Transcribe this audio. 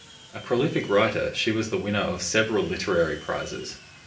A prolific writer, she was the winner of several literary prizes.